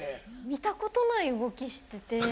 見たことない動きしてて。